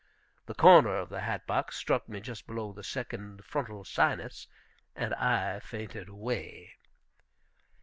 The corner of the hat box struck me just below the second frontal sinus, and I fainted away.